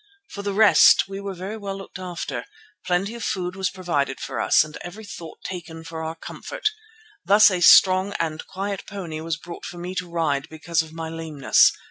For the rest we were very well looked after. Plenty of food was provided for us and every thought taken for our comfort. Thus a strong and quiet pony was brought for me to ride because of my lameness.